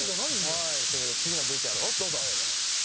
はいということで次のＶＴＲをどうぞ。